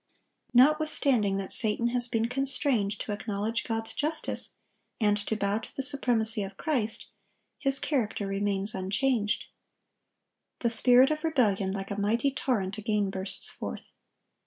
(1164) Notwithstanding that Satan has been constrained to acknowledge God's justice, and to bow to the supremacy of Christ, his character remains unchanged. The spirit of rebellion, like a mighty torrent, again bursts forth.